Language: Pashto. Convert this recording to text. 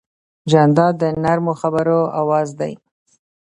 جانداد د نرمو خبرو آواز دی.